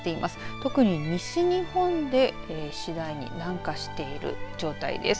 特に西日本で次第に南下している状態です。